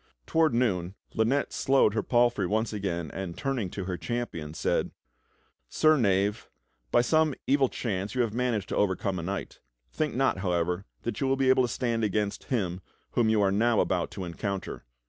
Toward noon Lynette slowed her palfrey once again and turning to her champion said: "Sir Knave, by some evil chance you have managed to overcome a knight. Think not, however, that you will be able to stand against him whom you are now about to encounter.